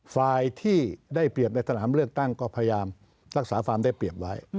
ฝ่ายที่ได้เปรียบในสนามเลือกตั้งก็พยายามรักษาความได้เปรียบไว้